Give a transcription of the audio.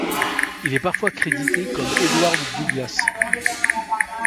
Il est parfois crédité comme Edward Douglas.